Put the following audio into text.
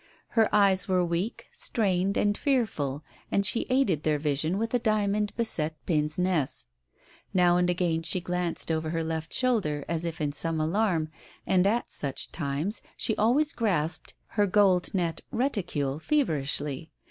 Her eyes were weak, strained, and fearful, and she aided their vision with a diamond beset pince nez. Now and again she glanced over her left shoulder as if in some alarm, and at such times she always grasped her gold net reticule feverishly.